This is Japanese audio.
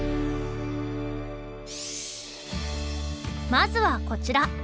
まずはこちら。